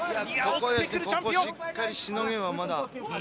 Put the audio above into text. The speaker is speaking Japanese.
ここ、しっかりしのげばまだ。